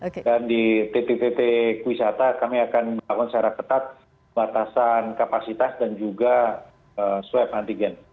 di titik titik wisata kami akan melakukan secara ketat batasan kapasitas dan juga swab antigen